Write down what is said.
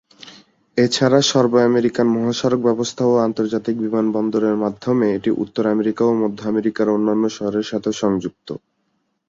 এছাড়া সর্ব-আমেরিকান মহাসড়ক ব্যবস্থা ও আন্তর্জাতিক বিমানবন্দরের মাধ্যমে এটি উত্তর আমেরিকা ও মধ্য আমেরিকার অন্যান্য শহরের সাথেও সংযুক্ত।